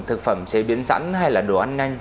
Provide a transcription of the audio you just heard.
thực phẩm chế biến sẵn hay là đồ ăn nhanh